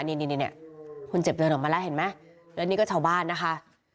นี่คนเจ็บเดินออกมาแล้วเห็นไหมแล้วนี่ก็ชาวบ้านนะคะ